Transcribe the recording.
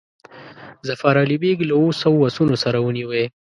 ظفر علي بیګ له اوو سوو آسونو سره ونیوی.